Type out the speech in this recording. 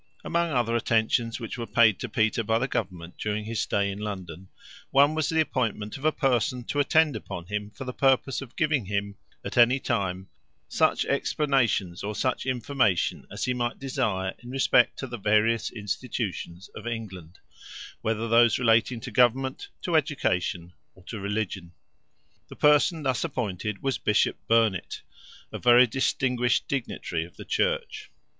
Among other attentions which were paid to Peter by the government during his stay in London, one was the appointment of a person to attend upon him for the purpose of giving him, at any time, such explanations or such information as he might desire in respect to the various institutions of England, whether those relating to government, to education, or to religion. The person thus appointed was Bishop Burnet, a very distinguished dignitary of the Church.